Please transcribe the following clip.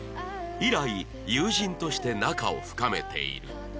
以来友人として仲を深めている